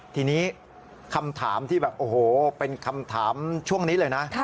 ทีนี้คำถามที่แบบโอ้โหเป็นคำถามช่วงนี้เลยนะ